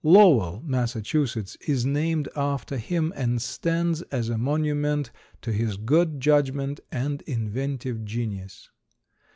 Lowell, Massachusetts, is named after him, and stands as a monument to his good judgment and inventive genius.